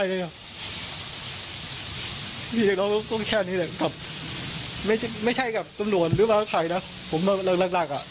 ผมต้องไม่ใช่กับตำรวจหรือบ้าไครนะผมรักแหละ